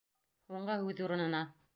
Һуңғы һүҙ урынына